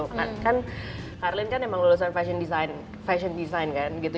kan kan karlyn kan emang lulusan fashion design fashion design kan gitu